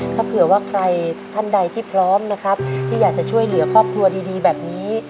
ถ้าเผื่อว่าใครท่านใดที่พร้อมนะครับที่อยากจะช่วยเหลือครอบครัวดีแบบนี้